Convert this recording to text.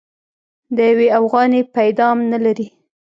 د يوې اوغانۍ پيدام نه لري.